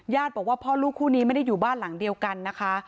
บอกว่าพ่อลูกคู่นี้ไม่ได้อยู่บ้านหลังเดียวกันนะคะ